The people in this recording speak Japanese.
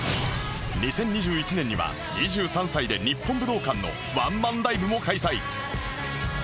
２０２１年には２３歳で日本武道館のワンマンライブも開催